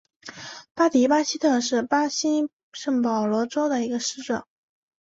巴迪巴西特是巴西圣保罗州的一个市镇。